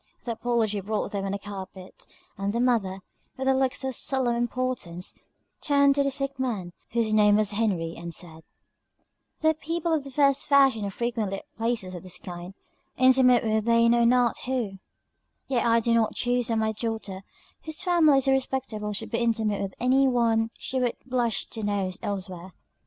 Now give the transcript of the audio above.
The apology brought them on the carpet; and the mother, with a look of solemn importance, turned to the sick man, whose name was Henry, and said; "Though people of the first fashion are frequently at places of this kind, intimate with they know not who; yet I do not choose that my daughter, whose family is so respectable, should be intimate with any one she would blush to know elsewhere.